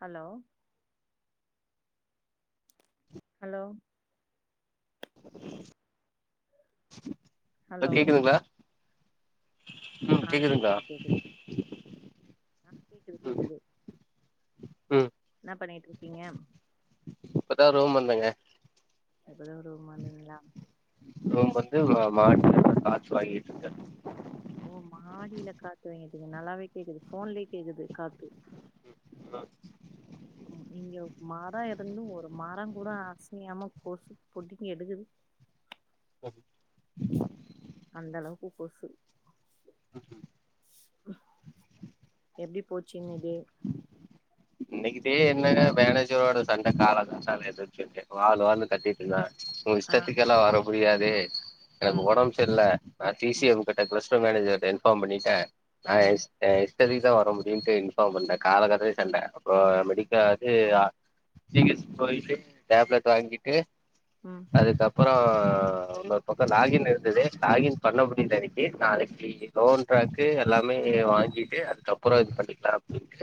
Hello hello [inaudible] இப்ப கேக்குதுங்களா ம் அ கேக்குதுங்களா கேக்குது கேக்குது அ கேக்குது ம் கேக்குது ம் இன்ன பண்ணிட்டுருக்கீங்க ரேம் ம் வந்து வ மாட் காத்து வாங்கிட்டுருக்க ங்க நல்லாவே கேக்குது ஃபோன்லயே கேக்குது காத்து ம் இங்க உப்மா ந இருந்து ஒரு மரங்கூட அசயாம கொசு பொடுங்கி எடுக்குது அந்தளவுக்கு கொசு எப்டி போச்சு இன்ன டே இன்னைக்கு தே என்னங்க மேனேஜரோட சண்ட காலங்காத்தால எந்திரிச்ச ஒட்னே வால் வால்னு‌ கத்திட்ருந்தாங்க உ ஆ இஷ்டத்துக்கெல்லா வர முடியாது வேத் எனக்கு ம் ஒடம் சரில்ல நா ம் தீசிய உங்கிட்ட பேஸ் த மேனேஜர்ட இன்ஃபார்ம் பண்ணிட்ட ஆ ம் யெஸ் யெஸ் தேதிக்கு தா வர முடியுன்ட்டு இன்ஃபார்ம் பண்ண காலங்காத்தால சண்ட மெடிக்க அது ஜீ ஹச் போயிட்டு டேப்லெட் வாங்கிட்டு ம் அதுக்கப் அப்புறோ இன்னொரு பக்கோ லாகின் இருந்தது லாகின் பண்ண முடில அன்னிக்கி நாளைக்கி லோன்ட்ராக்கு எல்லாமே வாங்கிட்டு அதுக்கப்புறோ இது பண்ணிக்கலா அப்டின்ட்டு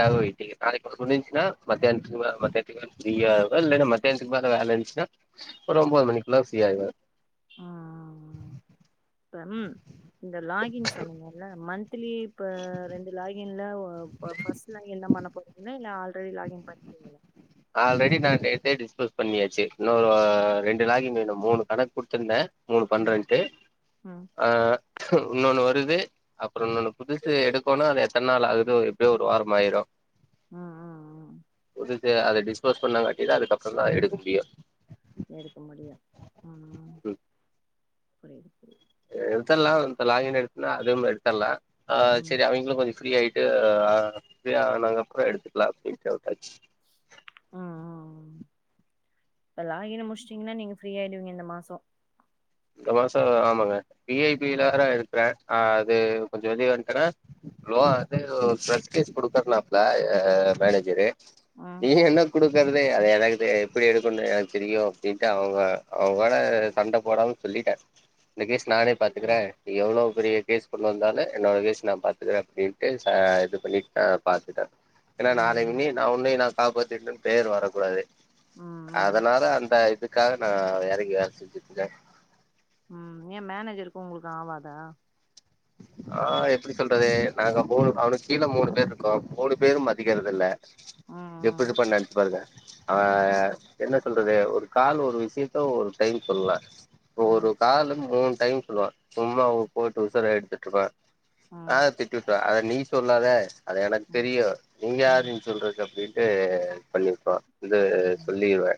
காக ம் வெய்ட்டிங் நாளைக் புடிஞ்சின்னா மத்தியான்த்துக்கு மே மத்தியான்த்துக்கு மேல ஃப்ரீயாருப்ப இல்லன்னா மத்தியான்த்துக்கு மேல வேல இருஞ்ச்சின்னா ஒரு ஒம்போது மணிக்குள்ள ஃப்ரீயாய்டுவ அ இப்பம் இந்த லாகின் சொன்னீங்கல்ல மன்ந்த் த்லி இப்ப ரெண்டு லாகின் இல்ல ஒ ப ஃபஸ்ட்ல எல்லாம் பண்ண போறனே இல்ல ஆள் தோழி லாகின் பண்டீங்களா டே டிஸ்போஸ் பண்ணியாச்சி இன்னொரு ரெண்டு லாகின்னு வேணு மூணு கணக் குடுத்துருந்த மூணு ம். பண்ரெண்டு ம். அ இன்னொன்னு வருது அப்புறோ இன்னொன்னு புதுசு எடுக்கோனா அது எத்தன் நாள் ஆகுது எப்டியோ ஒரு வாரமாயிரோ அ இருந்ச்சி அத டிஸ்போஸ் பண்ணாங்காட்டிதா அதுக்கப்புறோ தா எடுக்க முடியு எடுக்க முடியு ம் புரில எத்தன் நாள் அந்த லாகின் எடுத் இல்ல அது மெண்டல்லா ஆ ம். சரி அவிங்களு கொஞ்ச ஃப்ரீயாட் ஆ பிரியா நாங்க அப்ப எடுத்துக்கலா அப்டி விட்டாச்சு ம் ம் ம் இந் லாகின முடிசிடீங்கன்னா நீங்க ஃப்ரீய ஆயிடுவீங்க இந்த மாச இந்த மாச ஆமாங்க பி ஐ ம். பிலவேர இருக்கற ஆ அது கொஞ்ச வெளிய வண்ட்டன்ணா லோ அட்லீஸ்ட் பிரெஷ் கேஸ் கொடுக்குறனாப்ல அ மேனேஜரு ம். நீ என்ன குடு இருக்கிறது அதை எனக்கு எப்படி எடுக்கணு எனக்கு தெரியு அப்டின்ட்டு அவங்க அவங்களோட சண்ட போடாம சொல்லிட்ட இந்த கேஷ் நானே பாத்துக்கறே புரியல. எவ்ளோ இப்பரிய கேஸ் பண்ண வந்தாலு என்னோடய கேஸ் நா பாத்துக்கற அப்படின்ட்டு ச இது பண்ணிட்டு நா பாத்துட்டே ஏன்னா நா ம். [unintelligible] நா ஒண்ணயு நா காப்பாத்திடனு பேர் வரக்கூடாது ம் ம். அதனால அந்த இது அதுக்காக நா எறங்கி வேல செஞ்சுட்ட்ருக்கே ம் ஏ மேனஜருக்கு உங்களுக்கு ஆவாதா ஆ எப்டி சொல்றது நாங்க மூணு அவருக்கு கீழே மூணு பேர் இருக்கோ மூணு பேரு மதிக்கறதில்ல எப்டி ம் இருப்போன்னு நெனைச்சு பாருங்க ஆ ம். என்ன சொல்றது ஒரு கால் ஒரு விஷயத்த ஒரு டைம் சொல்லலா ம். ஒருகால மூண் டைம் சொல்லுவா சும்மா போட்டு உசுர எடு ட்ருபா ம் ஆ ம் திட்டிவிட்டு அ நீ சொல்லாத அது எனக்கு ம் தெரியு நீ ம் யாரு சொல்றதுக் அப்டின் ட்டு பண்ணிருப்பா இது ம் ம் சொல்லிருவ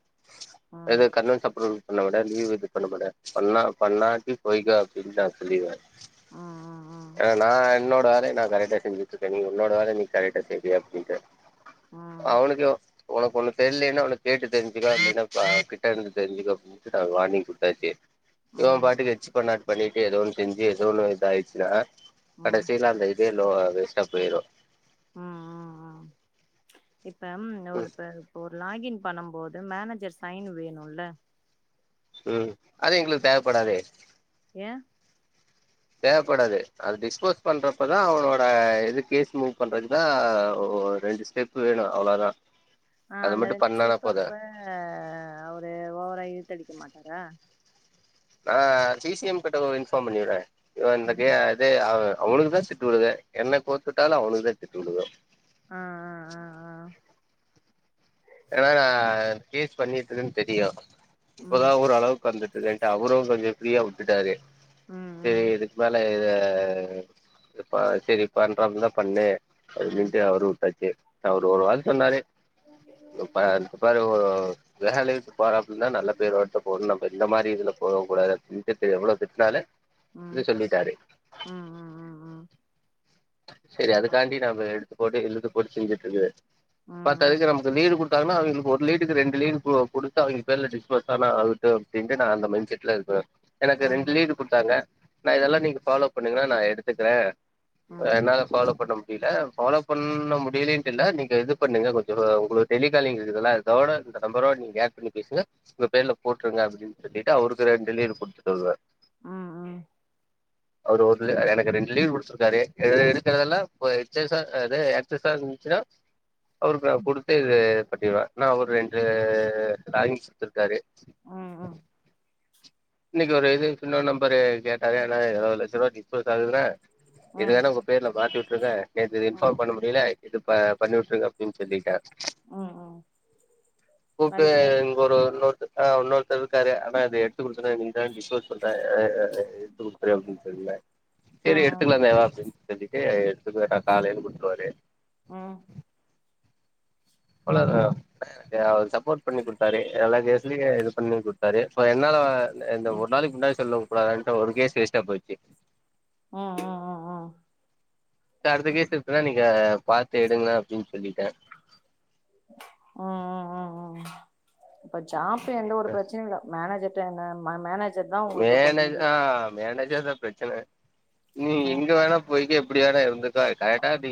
அது ம் கர்ணன் சாப்பர பண்ண விட லீவ் இது பண்ண மட பண்ணா பண்ணாட்டி போய்கோ அப்டின்னு நா சொல்லிருவே ம் ம் ஏ நா என்னோட வேலைய நா கரெக்டா செஞ்சுட்டு இருக்கே நீ உன்னோட வேல நீ கரெக்டா செய்விய அப்டிண்டு ம் அவுனுக்கு [inaudible] உனக்கு ஒண்ணு தெரிலின்னா உன்ன கேட்டு தெரிஞ்சக்காப்பின்ன கிட்ட இருந்து தெரிஞ்சுக்க அப்டின்ட்டு நாங்க வார்னிங் குடுத்தாச்சு இவ ம் பாட்டுக்கு எச்சி பண்ணாட் பண்ணிட்டு ஏதோ ஒன்னு செஞ்சி ஏதோ ஒன்னு இதயி சில ம். கடைசியில அந்த இதே ளோ வேஸ்ட போய்ரு ம் ம் ம் இப்ப ஒரு இப்ப இப்போ ஒரு லாகின் பண்ணம் போது மேனேஜர் சைன் வேணும்ல ம் அது எங்களுக்கு தேவப்படாதே ஏ தேவப்படாது அது டிஸ்போஸ் பண்றப்பதா அவுனோட இது கேஸ் மூவ் பண்றதுக்குதா ரெண்டு ஸ்டெப்பு வேணு அவ்ளோதா ஆ அது அந்த மட்டு ரெண்டு பண்ணானா ஸ்டெப்பு போது அப்ப அவுரு ஓவரா இழுத்தடி க்க மாட்டாரா நா சி சி எம் கிட்ட இன்ஃபார்ம் பண்ணிறுவே என்ன இந்தக்கே அதே அவ அவுனுக்கு தா திட்டு விழுது என்ன கோத்து விட்டாலு அவுனுக்கு தா திட்டு விழுகு ஆ ஆ ஆ ஆ ஏன்னா நா கேஸ் பண்ணிட்ருக்கன் தெரியு ம் இப்பதா ஒரு அளவுக்கு வந்துட் டு லைட்டா அவுரு கொஞ்சோ ஃப்ரீயா வுட்டுட்டாரு ம் சேரி ம் இதுக் மேல [unintelligible] சேரி பண்றதருந்த பண்ணு ம் அப்டிண்டே அவுரு உட்டாச்சு அவுரு ஒரு வாரோ சொன்னாரு இப்ப ம் நெனச்சிபாரு ஓ இப்போ வேலை விட்டு போறப்பு நல்ல பேரு வருட்டு போணு நம்ம இந்த மாரி இதுல போவக் கூடாது அப்டிண்டு இப்ப எவ்ளோ திட்னால இது ம் சொல்லிட்டாரு ம் ம் ம் செரி அதுக்காண்டி நம்ம எடுத்து போட்டு இழுத்து போட்டு செஞ்சுட்ருக்க ம் பத்தாதுக்கு நமக் லீடு குடுத்தாங்கன்னா அவுங்களுக்கு ஒரு லீடுக்கு ரெண்டு லீடு கு குடுத்து அவுங்க பேர்ல டிஸ்போஸ் ஆன ஆகட்டு அப்டின்ட்டு நா அந்த மைண்ட் செட்ல இருப்பே ம் எனக்கு ரெண்டு ம் லீடு குடுத்தாங்க நா இதெல்லா நீங்க ஃபாலோ பண்ணுங்கன்னா நா எடுத்துக்கிறே ம் என்னால ஃபாலோ பண்ண முடியில ஃபாலோ பண்ண முடியலன்ட்டு இல்ல நீங்க இது பண்ணீங்க கொஞ்சோ உங்களுக் டெலிகாலிங்க்கு இருக்குதுல்ல இதோட இந்த நம்பரு நீங்க அட் பண்ணி பேசுங்க உங்க பேர்ல போட்டுருங்க அப்டின்னு சொல்லிட்டு அவுருக்கு ரெண் டெலிவரி குடுத்துட்டு வந்த ஆ ஆ அவரு ஒருல எனக்கு ரெண்டு லீடு குடுத்துருக்காரு எது எடுக்கறதெல்லா எக்ஸஸா அது எக்ஸஸா இருந்துச்சுன்னா அவருக்கா குடு இது பண்ணிடுவா நா அவரு ரெண்டு லாகின் கொடுத்துருக்காரு ம் இன்னைக்கு ஒரு இது சின்ன நம்பரு கேட்டாரு ஆன்னா இருபது லட்சம் ரூபாய் டிஸ்போஸ் ஆகுதுல ம் இது ம் வேனா உங் பேர்ல மாத்திட் விட்டுங்க நேத்து இன்ஃபார்ம் பண்ண முடியல இது ப பண்ணி விட்டுருக்க அப்டின் சொல்லிட்டே ம் ம் கூப்ட்டு அதுக்கு என்ன இங்க ஒரு இன்னொருத் ஆ இன்னோர்தர் இருக்குறாரு அண்ணா அது எடுத்து அண்ணா நீங்க தான டிஸ்போஸ் பண்ற அ அ அ எடுத்து கொடுத்துரு அப்டின்னு சொன்ன சரி ம் எடுத்துக்கலாமே வா அப்டின்னு செஞ்சுட்டு எடுத்துக்குவாரு அந்தாலு எடுத்து குடுத்துருவாரு ம் அவ்ளோதா என்ன எனக்கு அவர் சப்போட் பண்ணி குடுத்தாரு எல்லா கேஸ்லயு இது பண்ணி குடுத்தாரு இப்ப என்னால இந்த ம் ஒரு நாளைக்கு முன்னாடி சொல்ல கூடாத ஒரு கேஸ் வேஸ்டா போயிச்சு ம் ம் ம் ம் அடுத்த கேஸ் எப்டின்னா நீங்க பாத்து எடுங்க அப்டின் சொல்லிட்டே ம் ம் ம் ம் ஷாப் எந்த ஒரு பிரச்சனையு இல்ல மேனேஜர் இப்ப என்ன மே மேனேஜ் மேனே ஆ மேனேஜ் எ சார் பிரச்சன நீ ம் எங்க வேணா போய்க அப்டியான இருந்துக்க கரெக்டா நீ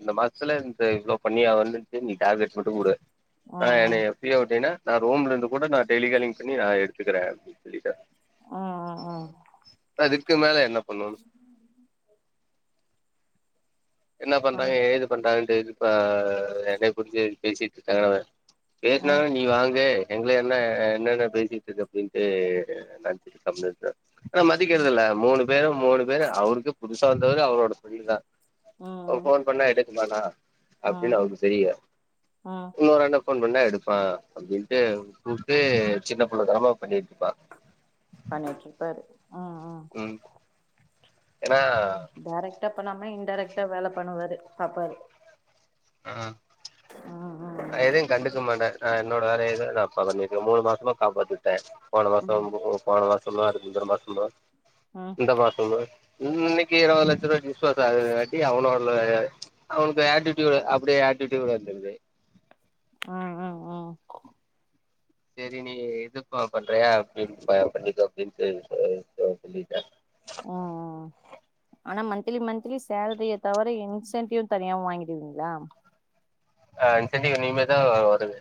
இந்த மாசத்துல இந்த இவ்ளோ பண்ணி வந்துச்சு நீ டார்கெட் மட்டு குடு ஆ ம் என்னய ஃப்ரீயா விட்டனா நா ரூம்லருந்து கூட நா டெய்லிகாலிங் பண்ணி நா எடுத்துக்கிற அப்டின் சொல்லிட்ட ம் ம் அதுக்கு மேல என்ன பண்ணனு என்ன பண்றாங்க ஏது பண்றாங்க இதுப்பா என்னைய புரிஞ்சு பேசிட்டுட்ரு [unintelligible] பேஸ்னா ம் நீ வாங்கு எங்ள என்ன என்னென்ன பேசிட்டுருக்க அப்டின்ட்டு நெனச்சிட் கம்னு இருக்க ஆனா மதிக்கிறதில்ல மூணு பேரும் மூணு பேரும் அவருக்கு பு புதுசா வந்தவரு அவரோட பிரண்ட்டுதா ம் அவர் ம் போன் பண்ணா எடு உமா னா ம் அப்டின்னு அவருக்கு தெரியல ம் இன்னொரு அண்ட போன் பண்ணா எடுப்பா அப்டின்ட்டு து சின்ன புள்ள தனமா பண்ணிட்ருப்பா பண்ணிட்ருப்பாரு ம் ஏன்னா அதா டாரக்டா ப்ப நம்ம இன்டைரக்ட்டா வேல பண்ணுவாரு பாப்பாரு அ அ ம் ம் நா எதையு கண்டுக்க மாட்டே நா என்னோட வேலையதா நா [unintelligible] மூணு மாசமா காப்பாத்தியுட்டே போன ம் மாசம் [unintelligible] போன வா சொன்னா அதுக் முந்துரமாசமா ம் ம் இந்தமாசமா இன்னைக்கு நால்லட்ச ரூபாக்கு டிஸ்பேட்ச் ஆகுது வட்டி அவனோ அவனுக்கு [unintelligible] [unintelligible] அப்டியே ஆட்டிடூடா வந்துருவே அ அ அ சேரி நீ இது ப பண்றியா அப்டி பண்ணிக்கோ அப்டின்னு சொ சொல்லிட்ட ம் ம் ஆனா மந்த்லி மந்த்லி சேலரிய தவர இன்சென்டியூவ் தனியாவு வாங்கிடுவீங்ளா ஆ இன்சண்ட்டியூவ் இனிமே தா வருது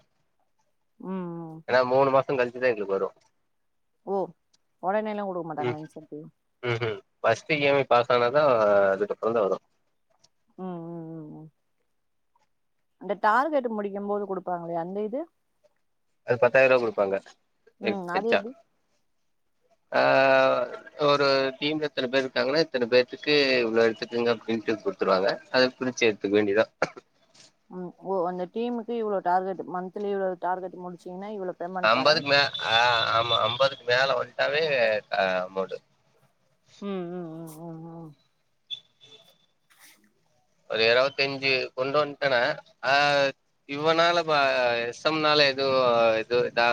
ம் ம் ஏனா மூணு மா சங் கழிச்சி தா எங்குளுக் வரு ஓ ஒடனேல்லா குடுக்க மாட்டாங்ளா incentive first E M I பாஸானாதா அதுக்கப்பறந்தா வரு ம் ம் ம் ம் அந்த டார்கெட் முடிக்கம் போது குடுப்பாங்களே அந்த இது அது பத்தாயிருவா குடுப்பாங்க [unintelligible] ம் அது வெச்சா எப்டி அ ஒரு டீம்ல இத்தன பேர்ருக்காங்கனா இத்தன பேர்த்துக்கு இவ்ளோ எடுத்துக்குங்க அப்டின்ட்டு குட்த்துருவாங்க அத பிரிச்சி எட்த்துக்க வேண்டிதா ம் ஓ அந்தடீமுக்கு இவ்ளோ டார்கெட் மந்த்லி இவ்ளோ டார்கெட் முடிச்சி அம்பதுக் மே அ ஆமா அம்பதுக்கு மேல வன்ட்டாவே அ [unintelligible] ம் ம் ம் ம் [inaudible] அது எதாதாவது செஞ்சி கொண்டு வன்ட்டனா ஆ இவனால அ எஸ் எம்னால எது எது எதா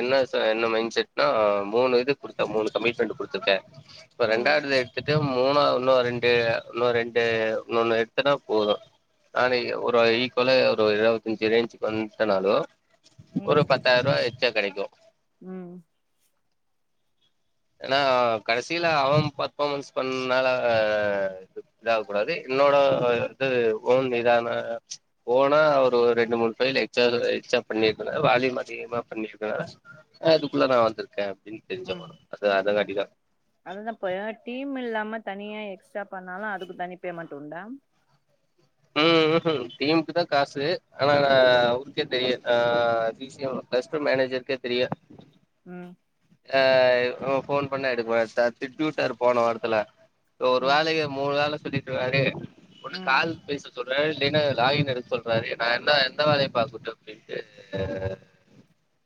என்ன ச என்ன மைண்ட் செட்னா மூணு இது கொடுத்த மூணு கமிட்மெண்ட் குடுத்துருக்கே இப்ப ம் ரெண்டாயிரத்த எடுத்துட்டு மு மூணா ஒன்னோ ரெண்டு உன்னோ ரெண்டு இன்னொண்ணு எடுத்தனா போது நானே ஒரு ஈக்குவல ஒரு இருவத்தஞ்சி ரேஞ்சிக்கு வந்ட்டனாலு ஒரு ம் பத்தாயிர்ருவா எக் சே கெடைக்கு ம் ஏன்னா கடைசில அவன் ஃபர்பார்மென்ஸ் பண்ணால இது ஆககூடாது என்னோட அது ஒன் நிதான போனா ஒரு ரெண்டு மூணு ஃபயில் எக்ச்சா எக்ச்சா பண்ணிருக்கனு வாலியூம் அதிகமா பண்ணிருக்கனால அதுக்குள்ள நா‌ வந்திருக்கே இன் தெரிஞ்சாகனு அத காட்டிதா அதுதாப்பா ஏன்னா டீம் இல்லாம தனியா எக்ஸ்ட்ரா பண்ணாலு அதுக்கு தனி பேமெண்ட்டு உண்டா உகும் டீமுக்கு தா காசு ஆனா நா அவருக்கே தெரியா ஆ P C M plus two மேனேஜருக்கே தெரியாது ம் ஆ போன் பண்ண எடுக்க மாட்டா திட்டி விட்டார் போன வாரத்ல ஒரு ம் வேலக்கு மூ வேல திட்டுவாரு ஒரு ம் கால் சொல்றாரு இல்லைன்னா லாகின் எடுக்க சொல்றாரு நா என்ன எந்த வேலைய பாக்கட்டு அப்டின்ட்டு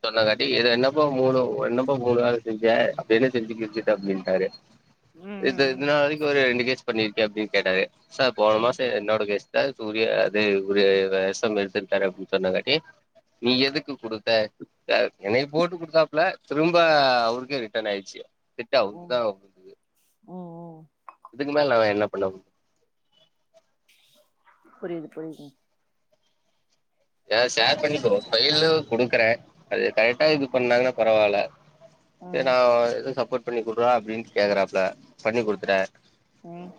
சொன்னங்காட்டி இத என்னப்பா மூணு என்னப்பா மூணு வேல செஞ்ச அப்டி என்ன செஞ்சி கிழிச்சிட்ட அப்டின்ட்டாரு ம் ம் இது இது ம் நாள் வரைக்கு ஒரு ரெண்டு கேஸ் பண்ணிருக்க அப்டி கேட்டாரு சார் போன ம் மாச என்னோட் எக்ஸ்ட்ராக்கு உரிய அது ஒரு எஸ் எம் எடுத்துக்கிட்டாரு அப்டின்னு சொன்னங்காட்டி நீ எதுக்கு குடுத்த அ எனக்கு போட் குடுத்தாப்ல திரும்ப அவருக்கே ரிட்டன் ஆயிருச்சி திட்ட ம் அவுட்தா அவு ம் இதுக்கு மேல நா என்ன பண்ண முடி புரியுது புரியுது ஏதா ஷேர் பண்ணி பைலு குடுக்கறே அது கரெட்டா இது பண்ணாங்ன்னா பரவால்ல ம் நா எது சப்போட் பண்ணி குட்றா அப்டின்னு கேக்குறாப்ல பண்ணி குடுத்துட்டே ம்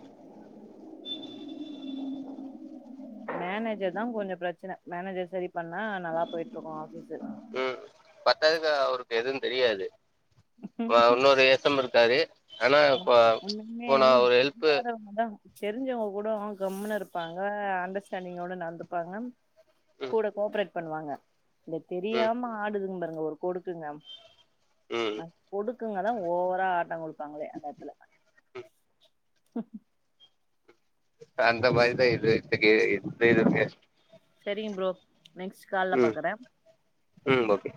மேனேஜர் தா கொஞ்சொ பிரச்சனை மேனேஜர் சரி பண்ணா நல்லா போயிட்ருக்கு ஆபீஷு ம் பத்தாததுக்கு அவருக்கு எதுவு தெரியாது வ இன்னோரு எஸ் எம் இருக்காரு ஆனா இப்போ ஒன்னுமே இப்போ நா ம் ஒரு ஹெல்ப்பு தெரியாதவங்க தா தெரிஞ்சவங்க கூடோ கம்னு இருப்பாங்க அண்டர்ஸ்டாண்டிங்கோட நடந்துப்பாங்க கூட கோ ஆப்ரேட் பண்ணுவாங்க. இந்த ம் தெரியாம ஆடுதுங்க பாருங்க ஒரு கொடுக்குங்க ம் அ கொடுக் குங்க தா ஓவரா ஆட்டம் குடுப்பாங்ளே நேத்துல அந்த மாரிதா இது எதுக்கு இது இருக்கு சரிங்க ப்ரோ நெக்ஸ்ட் காலைல பாக்குறே ம் ஓகே